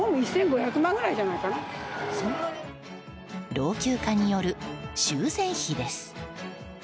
老朽化による修繕費です。